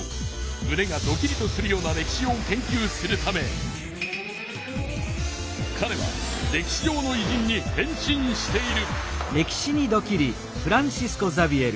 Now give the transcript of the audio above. むねがドキリとするような歴史を研究するためかれは歴史上のいじんに変身している。